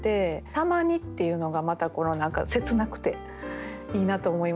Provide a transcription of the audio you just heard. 「たまに」っていうのがまた何か切なくていいなと思います。